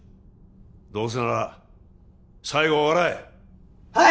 どうせなら最後は笑えはい！